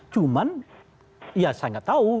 cuman ya saya nggak tahu